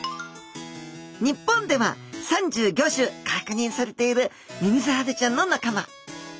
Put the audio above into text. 日本では３５種確認されているミミズハゼちゃんの仲間。